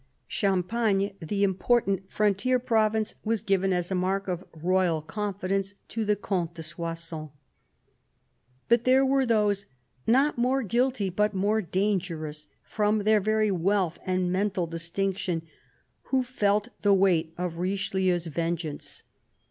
Champagne, the important frontier province, was given as a mark of royal confidence to the Comte de Soissons. But there were those, not more guilty, but more dan gerous from their very worth and mental distinction, who felt the weight of Richelieu's vengeance.